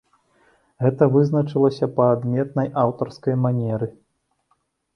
Гэта вызначылася па адметнай аўтарскай манеры.